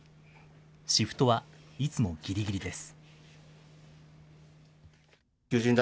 シフトはいつもぎりぎりです。